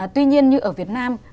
tuy nhiên như ở việt nam